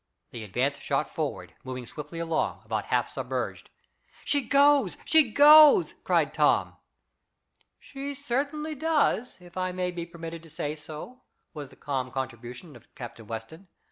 The Advance shot forward, moving swiftly along, about half submerged. "She goes! She goes!" cried Tom. "She certainly does, if I may be permitted to say so," was the calm contribution of Captain Weston.